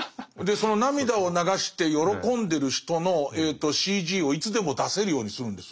その涙を流して喜んでる人のＣＧをいつでも出せるようにするんですよ。